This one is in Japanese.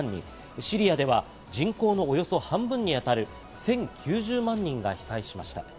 シリアでは人口のおよそ半分にあたる１０９０万人が被災しました。